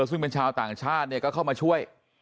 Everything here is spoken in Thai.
ซึ่งเป็นชาวต่างชาติเนี่ยก็เข้ามาช่วย